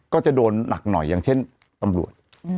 ก็จะโดนหนักหน่อยอย่างเช่นตำรวจ